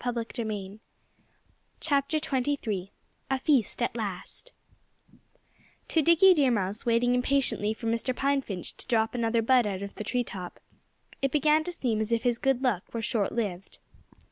XXIII A FEAST AT LAST To Dickie Deer Mouse, waiting impatiently for Mr. Pine Finch to drop another bud out of the tree top, it began to seem as if his good luck were short lived.